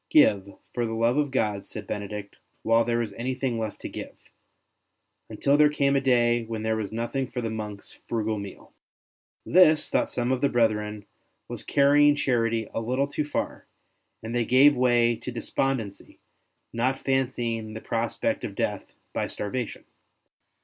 '' Give, for the love of God,'' said Benedict, " while there is anything left to give ''; until there came a day when there was nothing for the monks' frugal meal. This, thought some of the brethren, was carrying charity a little too far, and they gave way to despondency, not fancying the prospect of death by starvation.